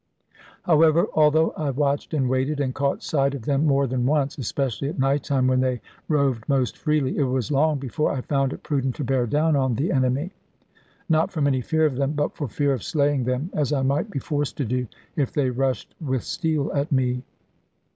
However, although I watched and waited, and caught sight of them more than once, especially at night time when they roved most freely, it was long before I found it prudent to bear down on the enemy. Not from any fear of them, but for fear of slaying them, as I might be forced to do, if they rushed with steel at me.